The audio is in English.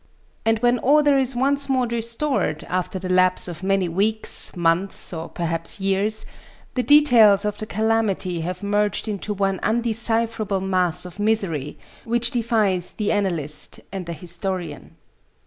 And when order is once more restored, after the lapse of many weeks, months and perhaps years, the details of the calamity have merged into one undecipherable mass of misery which defies the analyst and the historian.